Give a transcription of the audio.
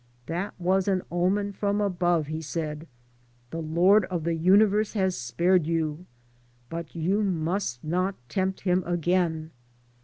*' That was an omen from above," he said. '"The Lord of the universe has spared you. But you must not tempt Him again.